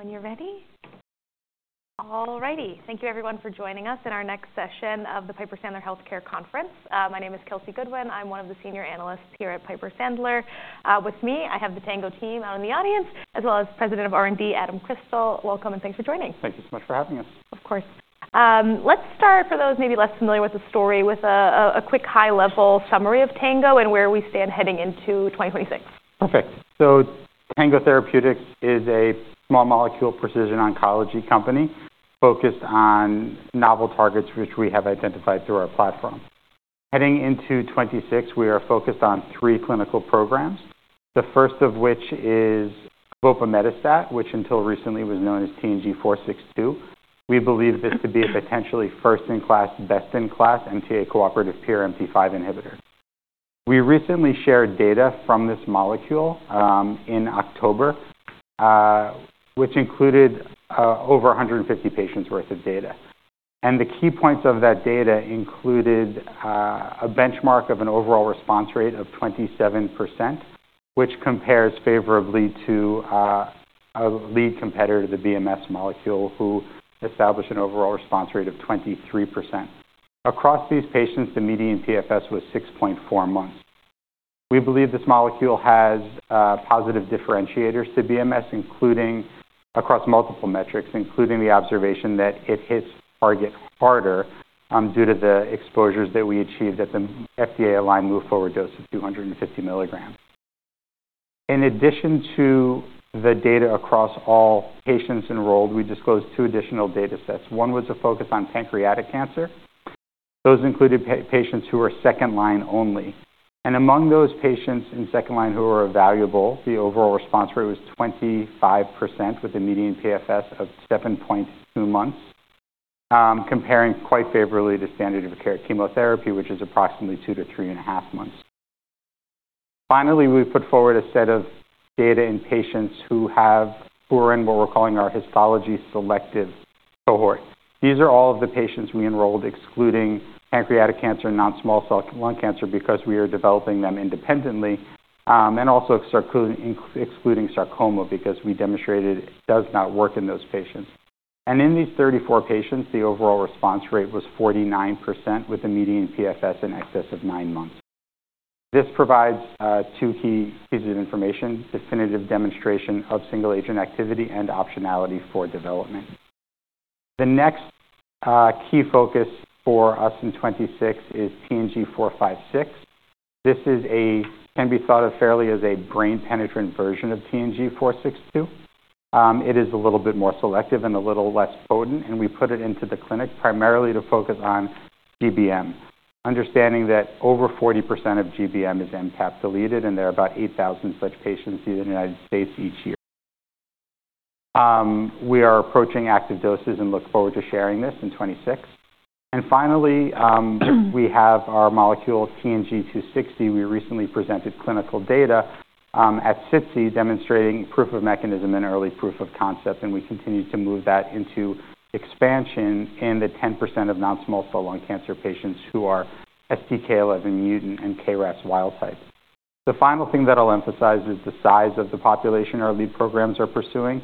Oh, when you're ready. All righty. Thank you, everyone, for joining us in our next session of the Piper Sandler Healthcare Conference. My name is Kelsey Goodwin. I'm one of the senior analysts here at Piper Sandler. With me, I have the Tango team out in the audience, as well as President of R&D Adam Crystal. Welcome, and thanks for joining. Thank you so much for having us. Of course. Let's start, for those maybe less familiar with the story, with a quick high-level summary of Tango and where we stand heading into 2026. Perfect. So Tango Therapeutics is a small molecule precision oncology company focused on novel targets, which we have identified through our platform. Heading into 2026, we are focused on three clinical programs, the first of which is Vopimetostat, which until recently was known as TNG462. We believe this to be a potentially first-in-class, best-in-class MTA-cooperative PRMT5 inhibitor. We recently shared data from this molecule in October, which included over 150 patients' worth of data. And the key points of that data included a benchmark of an overall response rate of 27%, which compares favorably to a lead competitor, the BMS molecule, who established an overall response rate of 23%. Across these patients, the median PFS was 6.4 months. We believe this molecule has positive differentiators to BMS, including across multiple metrics, including the observation that it hits target harder due to the exposures that we achieved at the FDA-aligned move-forward dose of 250 mg. In addition to the data across all patients enrolled, we disclosed two additional data sets. One was a focus on pancreatic cancer. Those included patients who are second-line only. And among those patients in second-line who are evaluable, the overall response rate was 25%, with a median PFS of 7.2 months, comparing quite favorably to standard of care chemotherapy, which is approximately two-three and a half months. Finally, we put forward a set of data in patients who are in what we're calling our histology-selective cohort. These are all of the patients we enrolled, excluding pancreatic cancer and non-small cell lung cancer, because we are developing them independently, and also excluding sarcoma, because we demonstrated it does not work in those patients, and in these 34 patients, the overall response rate was 49%, with a median PFS in excess of nine months. This provides two key pieces of information: definitive demonstration of single-agent activity and optionality for development. The next key focus for us in 2026 is TNG456. This can be thought of fairly as a brain-penetrant version of TNG462. It is a little bit more selective and a little less potent, and we put it into the clinic primarily to focus on GBM, understanding that over 40% of GBM is MTAP-deleted, and there are about 8,000 such patients in the United States each year. We are approaching active doses and look forward to sharing this in 2026. And finally, we have our molecule TNG260. We recently presented clinical data at SITC, demonstrating proof of mechanism and early proof of concept, and we continue to move that into expansion in the 10% of non-small cell lung cancer patients who are STK11-mutant and KRAS wild-type. The final thing that I'll emphasize is the size of the population our lead programs are pursuing.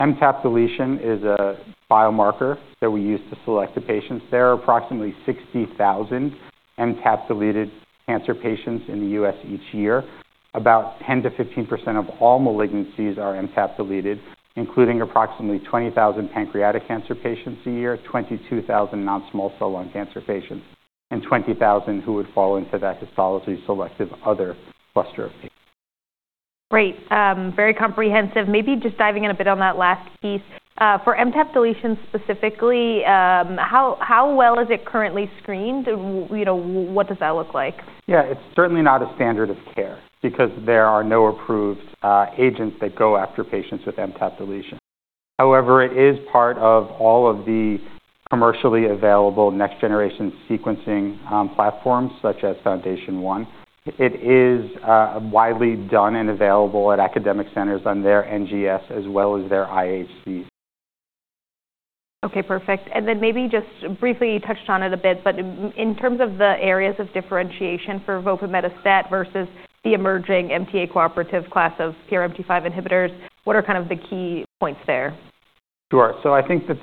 MTAP deletion is a biomarker that we use to select the patients. There are approximately 60,000 MTAP-deleted cancer patients in the U.S. each year. About 10%-15% of all malignancies are MTAP-deleted, including approximately 20,000 pancreatic cancer patients a year, 22,000 non-small cell lung cancer patients, and 20,000 who would fall into that histology-selective other cluster of patients. Great. Very comprehensive. Maybe just diving in a bit on that last piece. For MTAP deletion specifically, how well is it currently screened? What does that look like? Yeah, it's certainly not a standard of care because there are no approved agents that go after patients with MTAP deletion. However, it is part of all of the commercially available next-generation sequencing platforms, such as FoundationOne. It is widely done and available at academic centers on their NGS as well as their IHCs. Okay, perfect. And then maybe just briefly touched on it a bit, but in terms of the areas of differentiation for Vopimetostat versus the emerging MTA-cooperative class of PRMT5 inhibitors, what are kind of the key points there? Sure. So I think that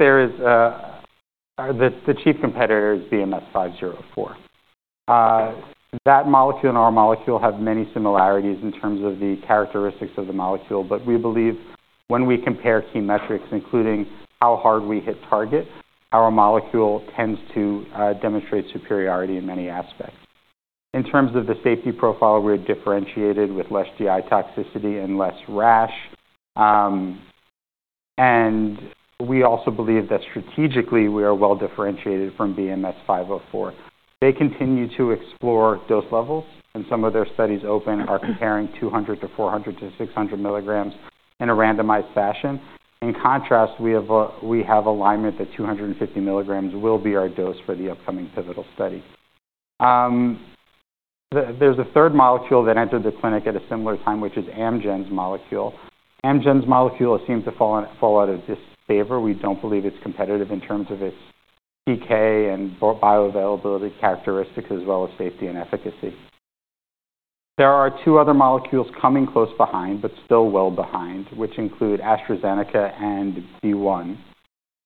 the chief competitor is BMS-504. That molecule and our molecule have many similarities in terms of the characteristics of the molecule, but we believe when we compare key metrics, including how hard we hit target, our molecule tends to demonstrate superiority in many aspects. In terms of the safety profile, we're differentiated with less GI toxicity and less rash. And we also believe that strategically we are well differentiated from BMS-504. They continue to explore dose levels, and some of their studies open are comparing 200-600 mg in a randomized fashion. In contrast, we have alignment that 250 mg will be our dose for the upcoming pivotal study. There's a third molecule that entered the clinic at a similar time, which is Amgen's molecule. Amgen's molecule seemed to fall out of disfavor. We don't believe it's competitive in terms of its PK and bioavailability characteristics, as well as safety and efficacy. There are two other molecules coming close behind, but still well behind, which include AstraZeneca and ZEON.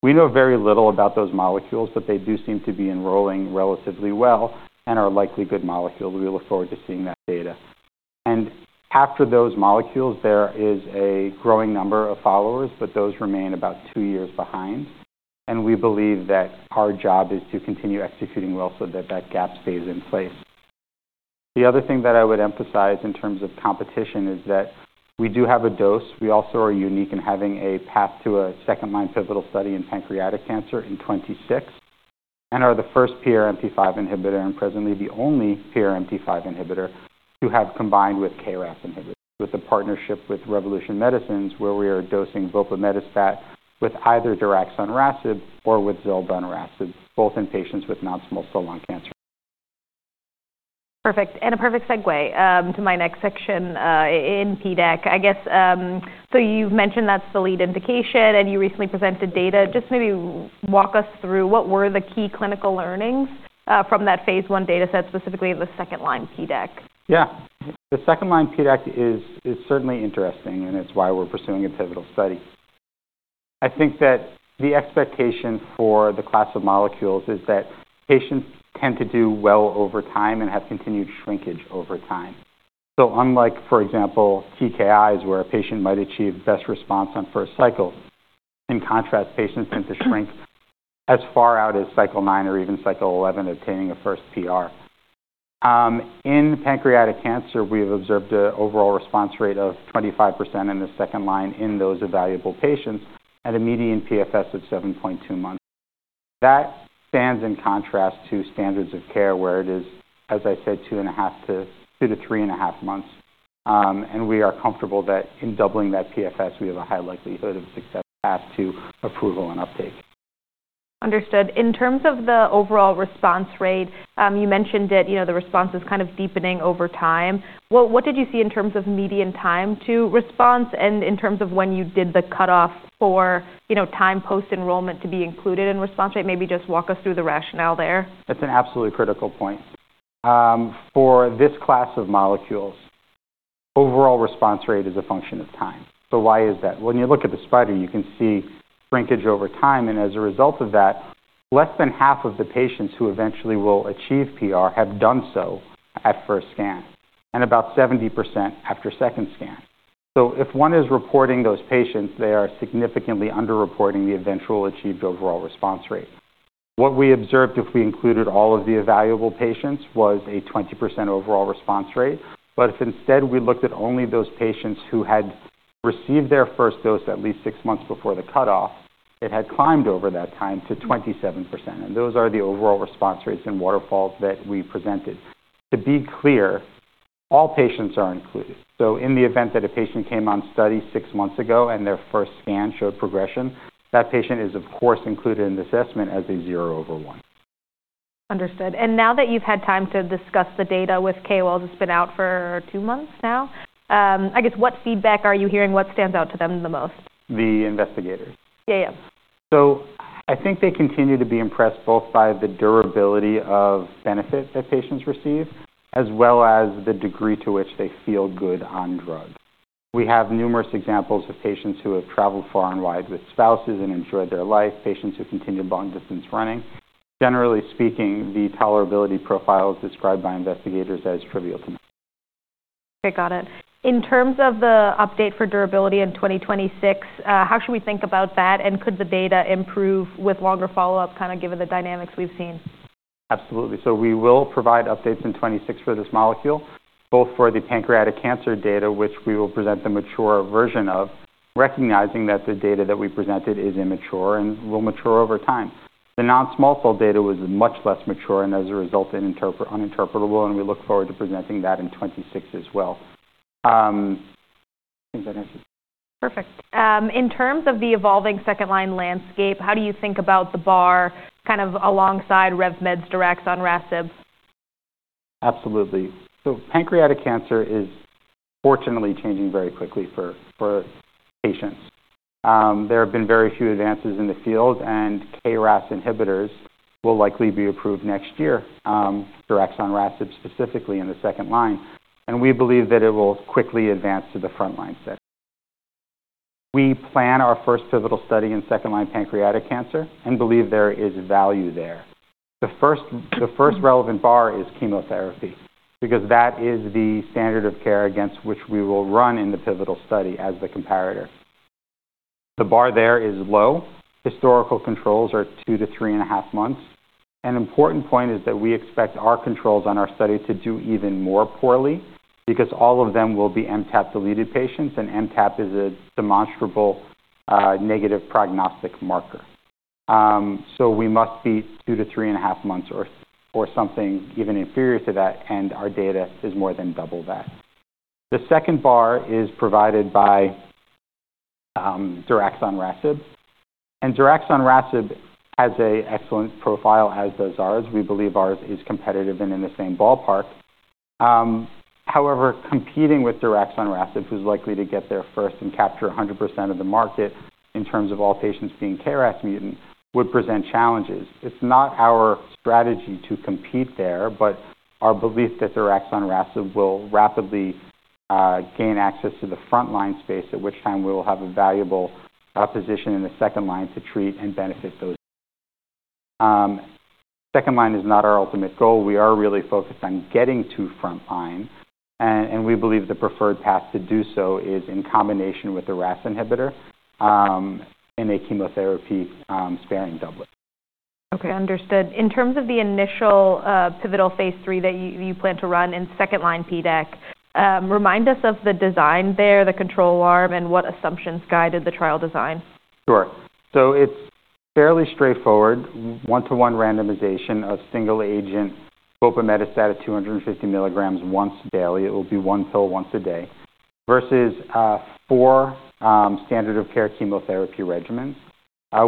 We know very little about those molecules, but they do seem to be enrolling relatively well and are likely good molecules. We look forward to seeing that data, and after those molecules, there is a growing number of followers, but those remain about two years behind, and we believe that our job is to continue executing well so that that gap stays in place. The other thing that I would emphasize in terms of competition is that we do have a dose. We also are unique in having a path to a second-line pivotal study in pancreatic cancer in 2026 and are the first PRMT5 inhibitor and presently the only PRMT5 inhibitor to have combined with KRAS inhibitors, with a partnership with Revolution Medicines, where we are dosing Vopimetostat with either daraxonrasib or with zoldonrasib, both in patients with non-small cell lung cancer. Perfect. And a perfect segue to my next section in PDAC. I guess, so you've mentioned that's the lead indication, and you recently presented data. Just maybe walk us through what were the key clinical learnings from that phase I data set, specifically the second-line PDAC? Yeah. The second-line PDAC is certainly interesting, and it's why we're pursuing a pivotal study. I think that the expectation for the class of molecules is that patients tend to do well over time and have continued shrinkage over time. So unlike, for example, TKIs, where a patient might achieve best response on first cycle, in contrast, patients tend to shrink as far out as cycle 9 or even cycle 11, obtaining a first PR. In pancreatic cancer, we have observed an overall response rate of 25% in the second line in those evaluable patients and a median PFS of 7.2 months. That stands in contrast to standards of care, where it is, as I said, two and a half-three and a half months. We are comfortable that in doubling that PFS, we have a high likelihood of success path to approval and uptake. Understood. In terms of the overall response rate, you mentioned that the response is kind of deepening over time. What did you see in terms of median time to response and in terms of when you did the cutoff for time post-enrollment to be included in response rate? Maybe just walk us through the rationale there. That's an absolutely critical point. For this class of molecules, overall response rate is a function of time. So why is that? When you look at the spider, you can see shrinkage over time. And as a result of that, less than half of the patients who eventually will achieve PR have done so at first scan, and about 70% after second scan. So if one is reporting those patients, they are significantly underreporting the eventual achieved overall response rate. What we observed if we included all of the evaluable patients was a 20% overall response rate. But if instead we looked at only those patients who had received their first dose at least six months before the cutoff, it had climbed over that time to 27%. And those are the overall response rates in waterfalls that we presented. To be clear, all patients are included. In the event that a patient came on study six months ago and their first scan showed progression, that patient is, of course, included in the assessment as a zero over one. Understood. And now that you've had time to discuss the data with KOL, it's been out for two months now. I guess, what feedback are you hearing? What stands out to them the most? The investigators. Yeah, yeah. I think they continue to be impressed both by the durability of benefit that patients receive, as well as the degree to which they feel good on drugs. We have numerous examples of patients who have traveled far and wide with spouses and enjoyed their life, patients who continue long-distance running. Generally speaking, the tolerability profile is described by investigators as trivial to manage. Okay, got it. In terms of the update for durability in 2026, how should we think about that? And could the data improve with longer follow-up, kind of given the dynamics we've seen? Absolutely. So we will provide updates in 2026 for this molecule, both for the pancreatic cancer data, which we will present the mature version of, recognizing that the data that we presented is immature and will mature over time. The non-small cell data was much less mature and as a result, uninterpretable, and we look forward to presenting that in 2026 as well. Perfect. In terms of the evolving second-line landscape, how do you think about the bar kind of alongside RevMed's daraxonrasib? Absolutely. So pancreatic cancer is fortunately changing very quickly for patients. There have been very few advances in the field, and KRAS inhibitors will likely be approved next year, daraxonrasib specifically in the second line. And we believe that it will quickly advance to the front-line set. We plan our first pivotal study in second-line pancreatic cancer and believe there is value there. The first relevant bar is chemotherapy because that is the standard of care against which we will run in the pivotal study as the comparator. The bar there is low. Historical controls are two-three and a half months. An important point is that we expect our controls on our study to do even more poorly because all of them will be MTAP-deleted patients, and MTAP is a demonstrable negative prognostic marker. We must be two to three and a half months or something even inferior to that, and our data is more than double that. The second bar is provided by daraxonrasib. Daraxonrasib has an excellent profile, as does ours. We believe ours is competitive and in the same ballpark. However, competing with daraxonrasib, who's likely to get there first and capture 100% of the market in terms of all patients being KRAS mutant, would present challenges. It's not our strategy to compete there, but our belief that daraxonrasib will rapidly gain access to the front-line space, at which time we will have a valuable position in the second line to treat and benefit those. Second line is not our ultimate goal. We are really focused on getting to frontline, and we believe the preferred path to do so is in combination with the RAS inhibitor in a chemotherapy-sparing doublet. Okay, understood. In terms of the initial pivotal phase III that you plan to run in second-line PDAC, remind us of the design there, the control arm, and what assumptions guided the trial design. Sure. So it's fairly straightforward. One-to-one randomization of single agent Vopimetostat at 250 mg once daily. It will be one pill once a day versus four standard of care chemotherapy regimens.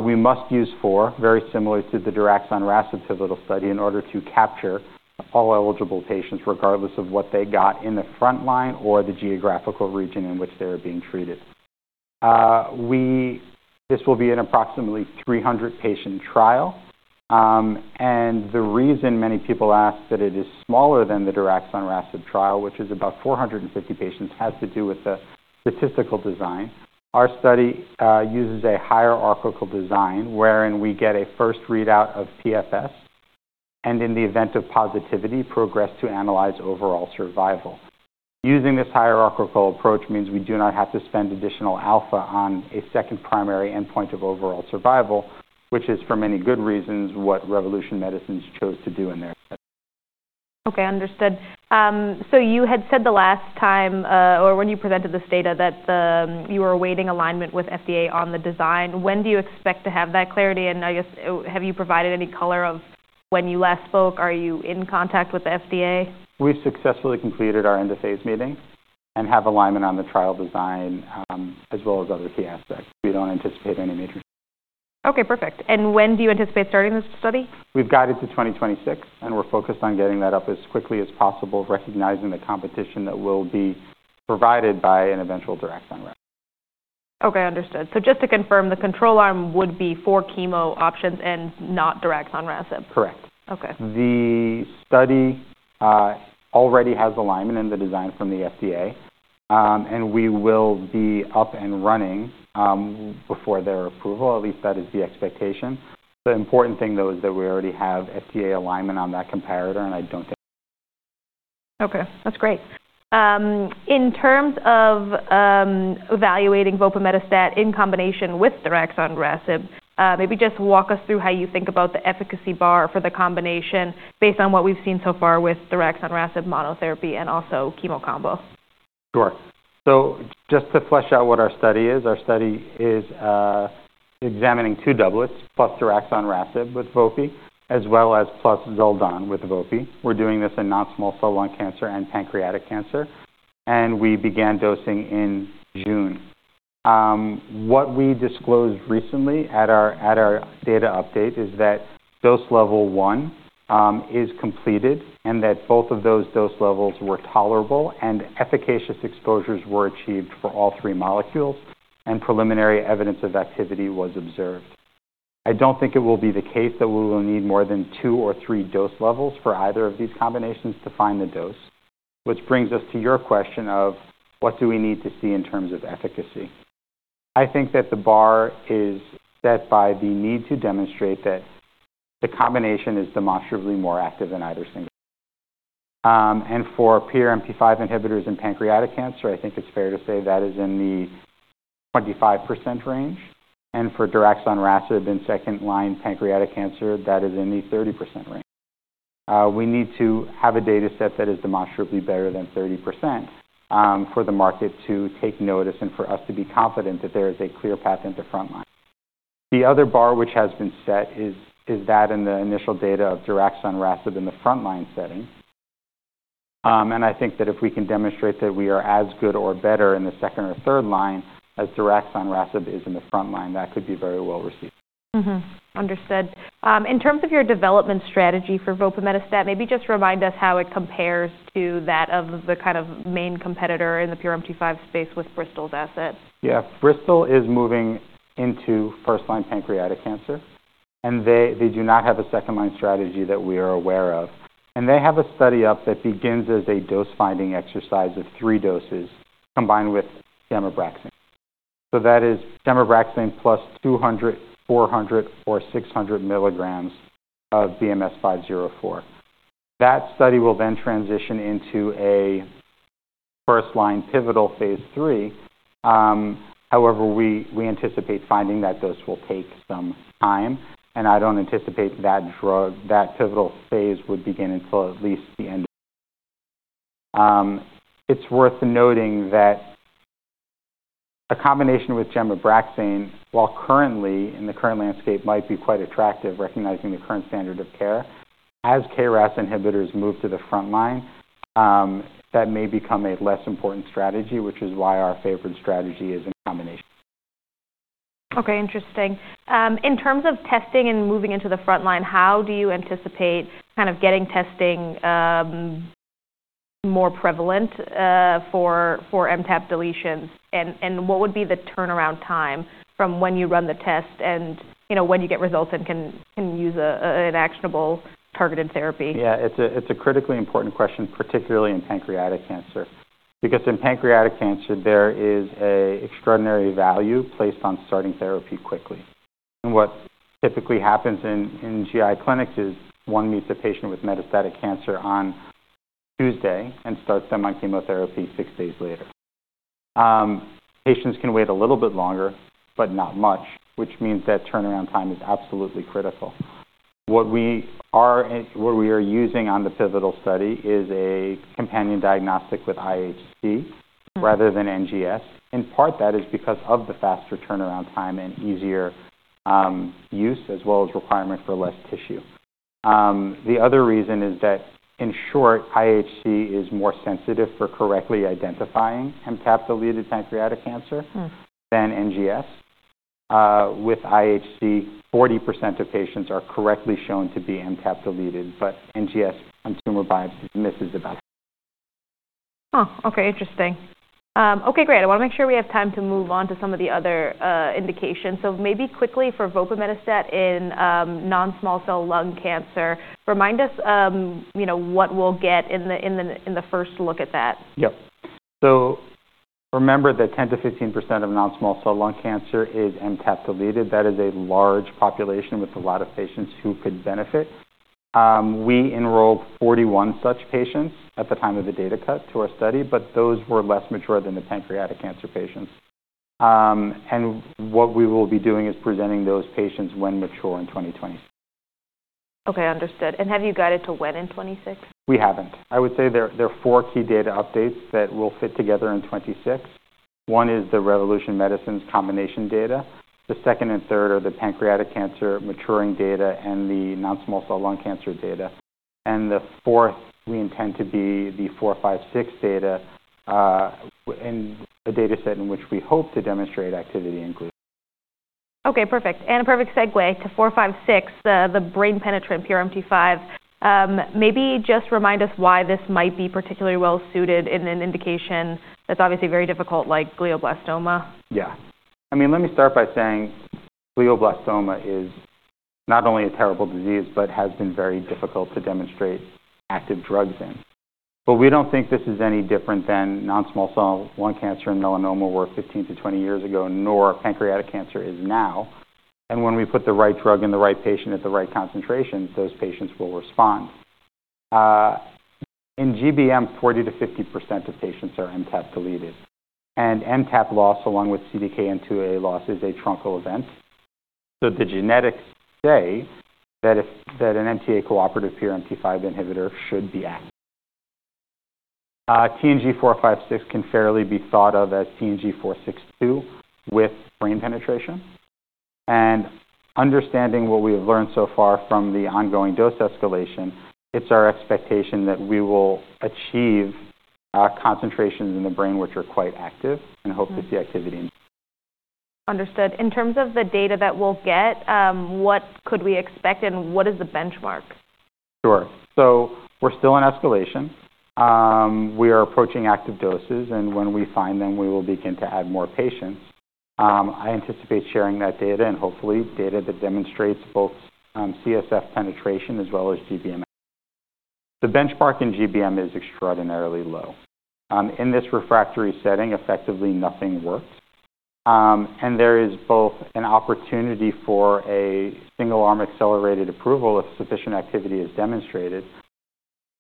We must use four, very similar to the daraxonrasib pivotal study, in order to capture all eligible patients, regardless of what they got in the front line or the geographical region in which they are being treated. This will be an approximately 300-patient trial. And the reason many people ask that it is smaller than the daraxonrasib trial, which is about 450 patients, has to do with the statistical design. Our study uses a hierarchical design wherein we get a first readout of PFS, and in the event of positivity, progress to analyze overall survival. Using this hierarchical approach means we do not have to spend additional alpha on a second primary endpoint of overall survival, which is, for many good reasons, what Revolution Medicines chose to do in their study. Okay, understood. So you had said the last time, or when you presented this data, that you were awaiting alignment with FDA on the design. When do you expect to have that clarity? And I guess, have you provided any color of when you last spoke? Are you in contact with the FDA? We've successfully completed our end-of-phase meeting and have alignment on the trial design as well as other key aspects. We don't anticipate any major. Okay, perfect. And when do you anticipate starting this study? We've got it to 2026, and we're focused on getting that up as quickly as possible, recognizing the competition that will be provided by an eventual divarasib. Okay, understood. So just to confirm, the control arm would be for chemo options and not daraxonrasib? Correct. Okay. The study already has alignment in the design from the FDA, and we will be up and running before their approval. At least that is the expectation. The important thing, though, is that we already have FDA alignment on that comparator, and I don't think. Okay, that's great. In terms of evaluating Vopimetostat in combination with daraxonrasib, maybe just walk us through how you think about the efficacy bar for the combination based on what we've seen so far with daraxonrasib monotherapy and also chemo combo? Sure. So just to flesh out what our study is, our study is examining two doublets plus daraxonrasib with Vopi, as well as plus Zelda with Vopi. We're doing this in non-small cell lung cancer and pancreatic cancer, and we began dosing in June. What we disclosed recently at our data update is that dose level one is completed and that both of those dose levels were tolerable, and efficacious exposures were achieved for all three molecules, and preliminary evidence of activity was observed. I don't think it will be the case that we will need more than two or three dose levels for either of these combinations to find the dose, which brings us to your question of what do we need to see in terms of efficacy. I think that the bar is set by the need to demonstrate that the combination is demonstrably more active in either single, and for PRMT5 inhibitors in pancreatic cancer, I think it's fair to say that is in the 25% range, and for daraxonrasib in second-line pancreatic cancer, that is in the 30% range. We need to have a data set that is demonstrably better than 30% for the market to take notice and for us to be confident that there is a clear path into front line. The other bar which has been set is that in the initial data of daraxonrasib in the front line setting, and I think that if we can demonstrate that we are as good or better in the second or third line as daraxonrasib is in the front line, that could be very well received. Understood. In terms of your development strategy for Vopimetostat, maybe just remind us how it compares to that of the kind of main competitor in the PRMT5 space with Bristol's asset? Yeah. Bristol is moving into first-line pancreatic cancer, and they do not have a second-line strategy that we are aware of. And they have a study up that begins as a dose-finding exercise of three doses combined with Gem Abraxane. So that is Gem Abraxane plus 200, 400, or 600 mg of BMS-504. That study will then transition into a first-line pivotal phase III. However, we anticipate finding that dose will take some time, and I don't anticipate that pivotal phase would begin until at least the end of. It's worth noting that a combination with Gem Abraxane, while currently in the current landscape, might be quite attractive, recognizing the current standard of care. As KRAS inhibitors move to the front line, that may become a less important strategy, which is why our favorite strategy is in combination. Okay, interesting. In terms of testing and moving into the front line, how do you anticipate kind of getting testing more prevalent for MTAP deletions? And what would be the turnaround time from when you run the test and when you get results and can use an actionable targeted therapy? Yeah, it's a critically important question, particularly in pancreatic cancer, because in pancreatic cancer, there is an extraordinary value placed on starting therapy quickly. What typically happens in GI clinics is one meets a patient with metastatic cancer on Tuesday and starts them on chemotherapy six days later. Patients can wait a little bit longer, but not much, which means that turnaround time is absolutely critical. What we are using on the pivotal study is a companion diagnostic with IHC rather than NGS. In part, that is because of the faster turnaround time and easier use, as well as requirement for less tissue. The other reason is that, in short, IHC is more sensitive for correctly identifying MTAP-deleted pancreatic cancer than NGS. With IHC, 40% of patients are correctly shown to be MTAP-deleted, but NGS on tumor biopsy misses about. Oh, okay, interesting. Okay, great. I want to make sure we have time to move on to some of the other indications. So maybe quickly for Vopimetostat in non-small cell lung cancer, remind us what we'll get in the first look at that. Yep, so remember that 10%-15% of non-small cell lung cancer is MTAP-deleted. That is a large population with a lot of patients who could benefit. We enrolled 41 such patients at the time of the data cut to our study, but those were less mature than the pancreatic cancer patients, and what we will be doing is presenting those patients when mature in 2026. Okay, understood, and have you guided to when in 2026? We haven't. I would say there are four key data updates that will fit together in 2026. One is the Revolution Medicines combination data. The second and third are the pancreatic cancer maturing data and the non-small cell lung cancer data. The fourth, we intend to be the TNG456 data in a data set in which we hope to demonstrate activity in [group]. Okay, perfect. And a perfect segue to TNG456, the brain-penetrant PRMT5. Maybe just remind us why this might be particularly well suited in an indication that's obviously very difficult, like glioblastoma? Yeah. I mean, let me start by saying Glioblastoma is not only a terrible disease but has been very difficult to demonstrate active drugs in. But we don't think this is any different than non-small cell lung cancer and melanoma were 15-20 years ago, nor pancreatic cancer is now. And when we put the right drug in the right patient at the right concentration, those patients will respond. In GBM, 40%-50% of patients are MTAP-deleted. And MTAP loss, along with CDKN2A loss, is a truncal event. So the genetics say that an MTA-cooperative PRMT5 inhibitor should be active. TNG456 can fairly be thought of as TNG462 with brain penetration. Understanding what we have learned so far from the ongoing dose escalation, it's our expectation that we will achieve concentrations in the brain which are quite active and hope to see activity in. Understood. In terms of the data that we'll get, what could we expect, and what is the benchmark? Sure. So we're still in escalation. We are approaching active doses, and when we find them, we will begin to add more patients. I anticipate sharing that data and hopefully data that demonstrates both CSF penetration as well as GBM. The benchmark in GBM is extraordinarily low. In this refractory setting, effectively nothing works. And there is both an opportunity for a single-arm accelerated approval if sufficient activity is demonstrated,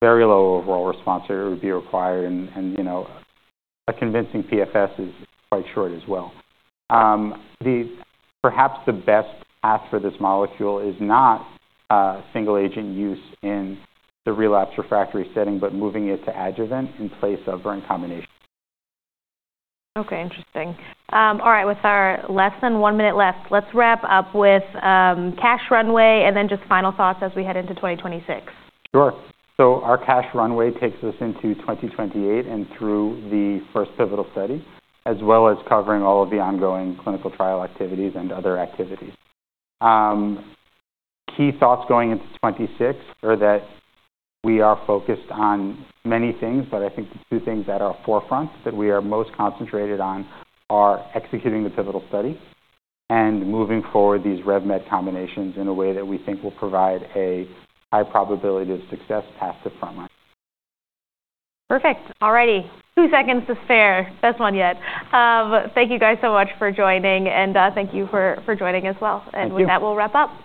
very low overall response rate would be required, and a convincing PFS is quite short as well. Perhaps the best path for this molecule is not single-agent use in the relapse refractory setting, but moving it to adjuvant in place of a combination. Okay, interesting. All right, with our less than one minute left, let's wrap up with cash runway and then just final thoughts as we head into 2026. Sure. So our cash runway takes us into 2028 and through the first pivotal study, as well as covering all of the ongoing clinical trial activities and other activities. Key thoughts going into 2026 are that we are focused on many things, but I think the two things that are forefront that we are most concentrated on are executing the pivotal study and moving forward these RevMed combinations in a way that we think will provide a high probability of success past the front line. Perfect. All righty. Two seconds is fair. Best one yet. Thank you guys so much for joining, and thank you for joining as well, and with that, we'll wrap up.